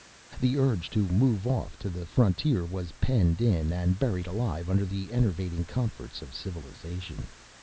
The urge to move off to the frontier was penned in and buried alive under the enervating comforts of civilization.